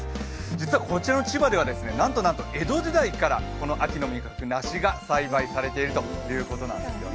実はこちらの千葉ではなんとなんと江戸時代から、この秋の味覚梨が栽培されているんです。